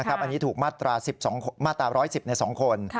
อันนี้ถูกมาตรา๑๑๐ใน๒คน